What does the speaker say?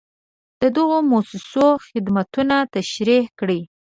د دغو مؤسسو خدمتونه تشریح کړئ.